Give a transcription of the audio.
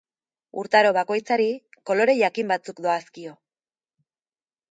Urtaro bakoitzari, kolore jakin batzuk doazkio.